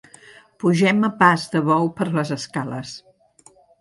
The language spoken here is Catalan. Pugem a pas de bou per les escales.